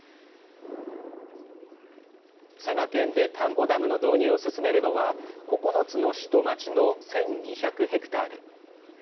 佐賀県で田んぼダムの導入を進めるのは、９つの市と町の１２００ヘクタール。